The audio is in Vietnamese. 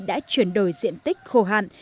đã chuyển đổi diện tích khổ hạn